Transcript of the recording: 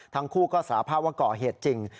ทั้งคู่ก็สาภาพว่าก่อเหตุจริง